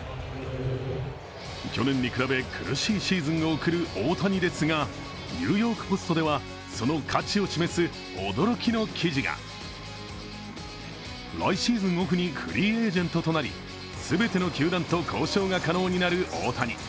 去年に比べ、苦しいシーズンを送る大谷ですが「ニューヨーク・ポスト」ではその価値を示す驚きの記事が来シーズンオフにフリーエージェントとなり全ての球団と交渉が可能になる大谷。